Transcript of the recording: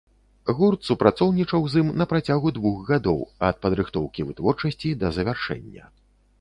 Гурт супрацоўнічаў з ім на працягу двух гадоў, ад падрыхтоўкі вытворчасці да завяршэння.